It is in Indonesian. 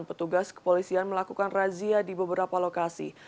petugas kepolisian melakukan razia di beberapa lokasi